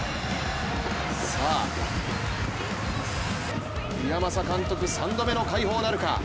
さあ、岩政監督、３度目の解放なるか。